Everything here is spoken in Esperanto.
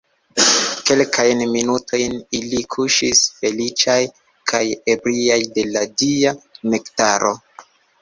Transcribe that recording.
Kelkajn minutojn ili kuŝis feliĉaj kaj ebriaj de la dia nektaro.